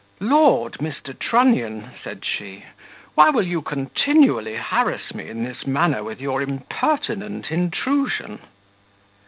"Lord, Mr. Trunnion," said she, "why will you continually harass me in this manner with your impertinent intrusion?"